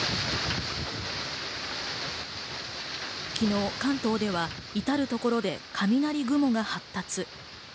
昨日、関東ではいたるところで雷雲が発達。